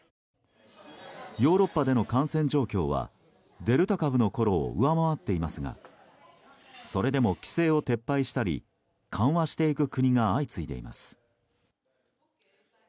ヨーロッパでの感染状況はデルタ株のころを上回っていますがそれでも規制を撤廃したり緩和していく国が相次いでいます。